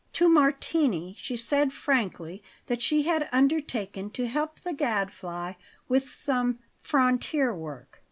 To Martini she said frankly that she had undertaken to help the Gadfly with some "frontier work."